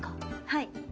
はい。